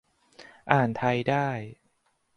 อ่านไทยได้